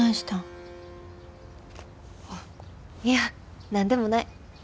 あいや何でもない。